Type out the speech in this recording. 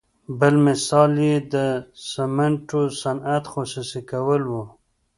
بل مثال د سمنټو صنعت خصوصي کول وو.